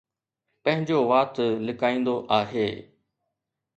پنهنجو وات لڪائيندو آهي.